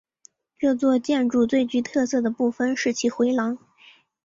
这座建筑最具特色的部分是其回廊。